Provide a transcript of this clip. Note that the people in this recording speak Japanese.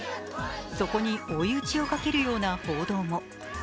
そこに追い打ちをかけるような報道も。